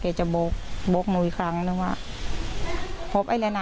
เขาก็บอกเท่านู้นอีกครั้งนะว่าพ่อเออแลพ์น่ะ